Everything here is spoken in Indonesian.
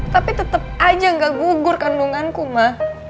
tapi tetap aja nggak gugur kandunganku ma